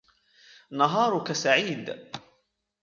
نهارك سعيد.